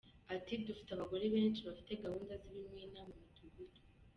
Ati"Dufite abagore benshi bafite gahunda z’ibimina mu midugudu.